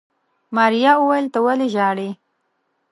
ماريا وويل ته ولې ژاړې.